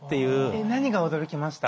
えっ何が驚きました？